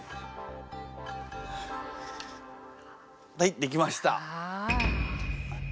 はいできました。